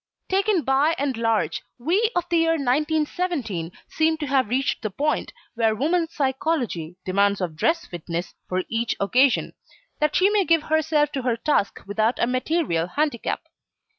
Taken by and large, we of the year 1917 seem to have reached the point where woman's psychology demands of dress fitness for each occasion, that she may give herself to her task without a material handicap.